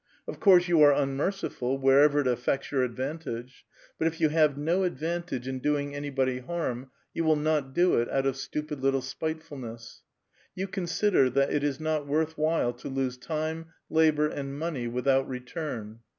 Of course you are x^umerciful wherever it affects your advantage ; but if you laave no advantage in doing anybody harm, you will not do it out of stupid little spitefuluess. You consider that it is , laot worth while to lose time, labor, and money without re ' "turn.